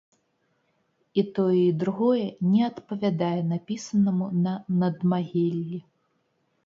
І тое, і другое не адпавядае напісанаму на надмагіллі.